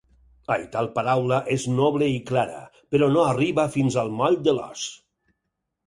Aital paraula és noble i clara, però no arriba fins al moll de l'os.